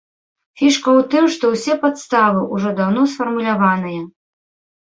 Фішка ў тым, што ўсе падставы ўжо даўно сфармуляваныя.